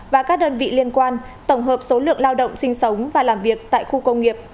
và các đơn vị liên quan tổng hợp số lượng lao động sinh sống và làm việc tại khu công nghiệp